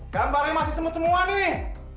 gambarnya masih semut semua nih